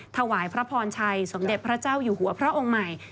ถวายพระพรชัยสมเด็จพระเจ้าอยู่หัวพระองค์ใหม่